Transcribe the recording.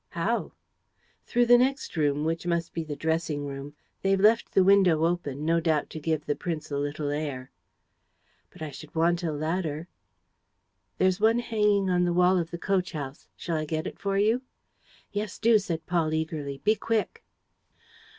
"How?" "Through the next room, which must be the dressing room. They've left the window open, no doubt to give the prince a little air." "But I should want a ladder ..." "There's one hanging on the wall of the coach house. Shall I get it for you?" "Yes, do," said Paul eagerly. "Be quick."